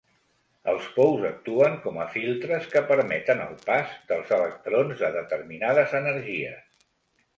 Els pous actuen com a filtres que permeten el pas dels electrons de determinades energies.